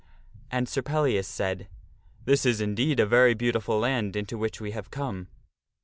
And Sir Pellias said, " This is indeed a very beautiful land into which we have come."